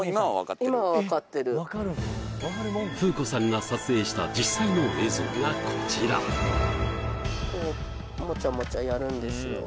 今は分かってる風子さんが撮影した実際の映像がこちらもちゃもちゃやるんですよ